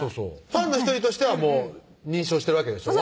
ファンの１人としては認証してるわけでしょ？